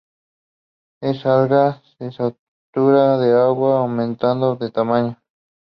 El alga se satura de agua, aumentando de tamaño.